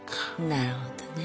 なるほどね。